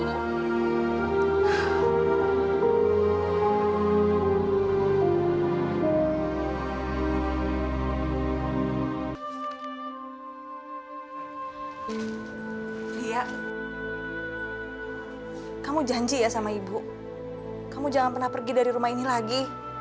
iya kamu janji ya sama ibu kamu jangan pernah pergi dari rumah ini lagi